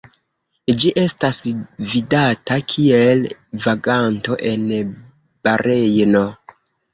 Ĝi estis vidata kiel vaganto en Barejno.